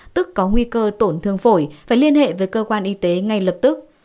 tức có nguy cơ tổn thương phổi phải liên hệ với cơ quan y tế ngay lập tức